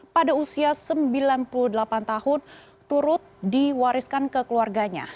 pada usia sembilan puluh delapan tahun turut diwariskan ke keluarganya